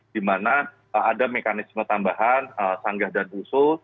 di mana ada mekanisme tambahan sanggah dan usul